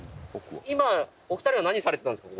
今お２人は何されてたんですか？